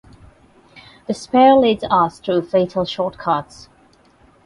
Despair leads us through fatal shortcuts.